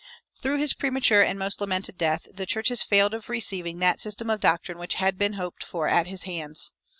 Through his premature and most lamented death the church has failed of receiving that system of doctrine which had been hoped for at his hands.